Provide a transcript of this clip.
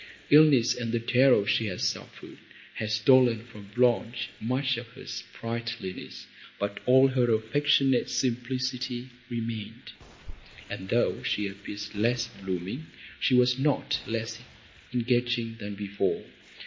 Illness and the terror she had suffered had stolen from Blanche much of her sprightliness, but all her affectionate simplicity remained, and, though she appeared less blooming, she was not less engaging than before.